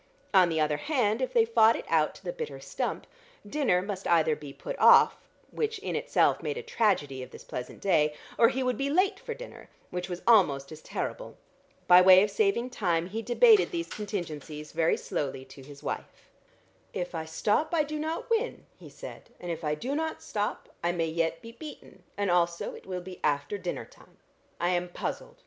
On the other hand, if they fought it out to the bitter stump, dinner must either be put off, which in itself made a tragedy of this pleasant day, or he would be late for dinner, which was almost as terrible. By way of saving time he debated these contingencies very slowly to his wife. "If I stop I do not win," he said, "and if I do not stop, I may yet be beaten, and also it will be after dinner time. I am puzzled.